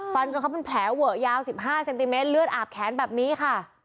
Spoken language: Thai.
ฟันเป็นแผลเหว่ายาว๑๕ซินติเมตรเลือดอาบแขนแบบนี้ค่ะ